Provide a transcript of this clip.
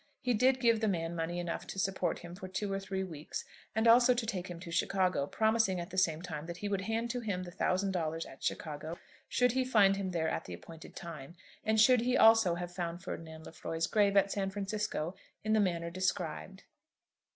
He did give the man money enough to support him for two or three weeks and also to take him to Chicago, promising at the same time that he would hand to him the thousand dollars at Chicago should he find him there at the appointed time, and should he also have found Ferdinand Lefroy's grave at San Francisco in the manner described.